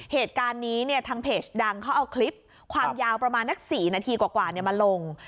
เหตุการณ์นี้เนี่ยทางเพจดังเขาเอาคลิปความยาวประมาณนัก๔นาทีกว่ามาลง